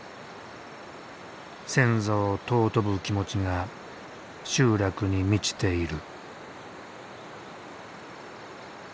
先祖を尊ぶ気持ちが集落に満ちている。